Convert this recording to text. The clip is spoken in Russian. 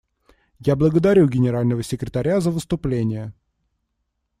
Я благодарю Генерального секретаря за выступление.